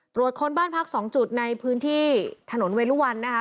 คนบ้านพัก๒จุดในพื้นที่ถนนเวรุวันนะคะ